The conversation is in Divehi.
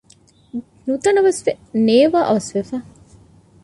ނުތަނަވަސްވެ ނޭވާއަވަސް ވެފަ